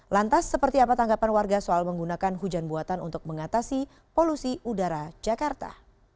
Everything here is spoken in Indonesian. lantas seperti apa tanggapan warga soal menggunakan hujan buatan untuk mengatasi polusi udara jakarta